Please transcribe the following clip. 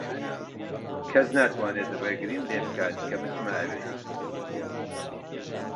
کەس ناتوانێت ڕێگریم لێ بکات کە بچمە ئەوێ.